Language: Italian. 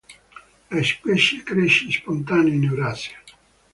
La specie cresce spontanea in Eurasia.